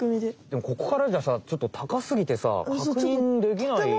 でもここからじゃさちょっと高すぎてさかくにんできない。